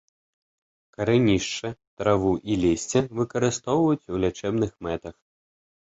Карэнішча, траву і лісце выкарыстоўваюць у лячэбных мэтах.